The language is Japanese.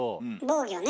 防御ね。